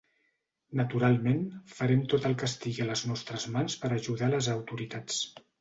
Naturalment, farem tot el que estigui a les nostres mans per ajudar les autoritats.